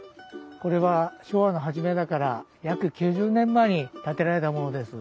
これは昭和の初めだから約９０年前に建てられたものです。